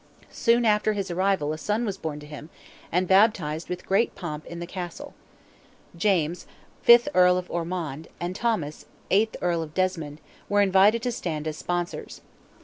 Soon after his arrival a son was born to him, and baptized with great pomp in the Castle. James, fifth Earl of Ormond, and Thomas, eighth Earl of Desmond, were invited to stand as sponsors.